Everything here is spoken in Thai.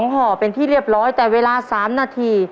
ห่อเป็นที่เรียบร้อยแต่เวลา๓นาที